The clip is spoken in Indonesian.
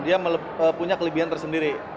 dia punya kelebihan tersendiri